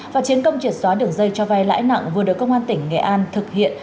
và chiến công triệt xóa đường dây cho vay lãi nặng vừa được công an tỉnh nghệ an thực hiện